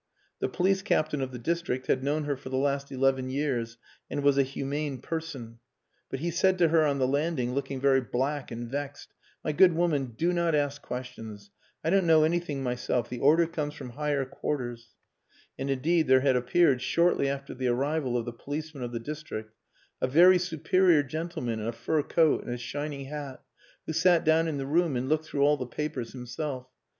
The police captain of the district had known her for the last eleven years and was a humane person. But he said to her on the landing, looking very black and vexed "My good woman, do not ask questions. I don't know anything myself. The order comes from higher quarters." And indeed there had appeared, shortly after the arrival of the policemen of the district, a very superior gentleman in a fur coat and a shiny hat, who sat down in the room and looked through all the papers himself.